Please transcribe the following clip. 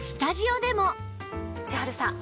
千春さん